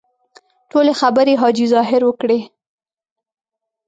ټولې خبرې حاجي ظاهر وکړې.